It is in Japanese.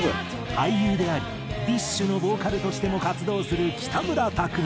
俳優でありＤＩＳＨ／／のボーカルとしても活動する北村匠海。